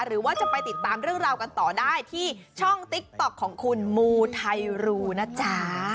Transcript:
หรือว่าจะไปติดตามเรื่องราวกันต่อได้ที่ช่องติ๊กต๊อกของคุณมูไทรูนะจ๊ะ